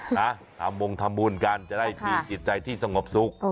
ทำวงทำบุญกันจะได้มีจิตใจที่สงบสุข